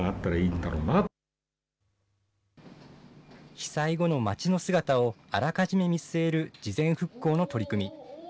被災後の街の姿を、あらかじめ見据える事前復興の取り組み。